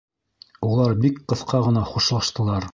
Улар бик ҡыҫҡа ғына хушлаштылар.